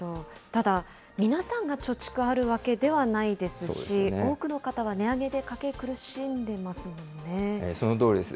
ただ、皆さんが貯蓄あるわけではないですし、多くの方は値上げで家計、苦しんでまそのとおりです。